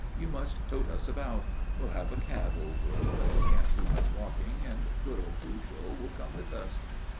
You must tote us about. We'll have a cab, old girl, as you can't do much walking, and good old Pujol will come with us."